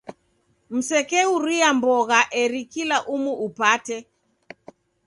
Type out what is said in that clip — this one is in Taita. Msekeuruya mbogha eri kula umu upate.